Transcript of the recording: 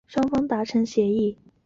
翌日双方达成协议。